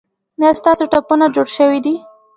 ایا ستاسو ټپونه جوړ شوي دي؟